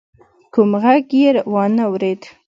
کوم غږ يې وانه ورېد.